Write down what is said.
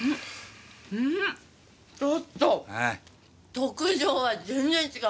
特上は全然違う。